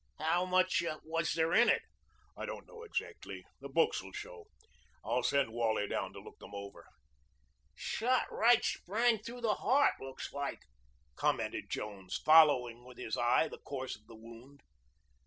"How much was there in it?" "I don't know exactly. The books will show. I'll send Wally down to look them over." "Shot right spang through the heart, looks like," commented Jones, following with his eye the course of the wound.